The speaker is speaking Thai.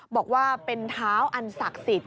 บอกว่าเป็นเท้าอันศักดิ์สิทธิ